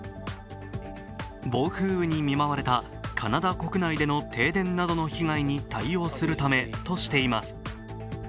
暴風雨に見舞われたカナダ国内での停電などの被害に対応するためとしています。